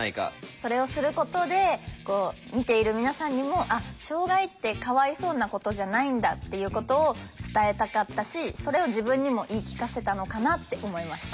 それをすることでこう見ている皆さんにもあっ障害ってかわいそうなことじゃないんだっていうことを伝えたかったしそれを自分にも言い聞かせたのかなって思いました。